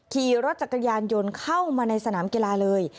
ขี่รถจักรยานยนต์เข้ามาในสนามกีฬาเลย